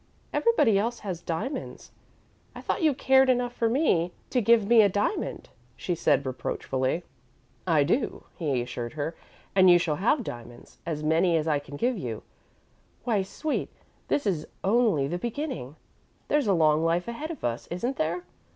Everybody else has diamonds. I thought you cared enough for me to give me a diamond," she said, reproachfully. "I do," he assured her, "and you shall have diamonds as many as I can give you. Why, sweet, this is only the beginning. There's a long life ahead of us, isn't there?